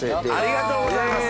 ありがとうございます。